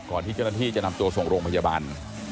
ที่เจ้าหน้าที่จะนำตัวส่งโรงพยาบาล